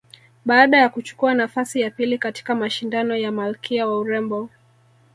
Baada ya kuchukua nafasi ya pili katika mashindano ya malkia wa urembo